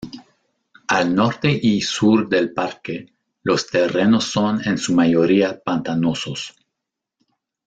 Al norte y sur del parque los terrenos son en su mayoría pantanosos.